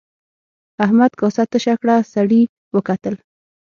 احمد کاسه تشه کړه سړي وکتل.